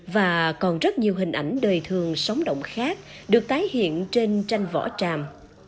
và còn rất nhiều hình ảnh đời thường sóng động khác được tái hiện trên tranh vỏ tràm